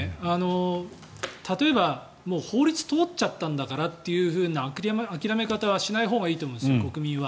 例えば、もう法律を通っちゃったんだからという諦め方はしないほうがいいと思います、国民は。